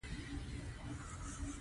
خپل گناهونه ئې دغه حالت ته ورسوي.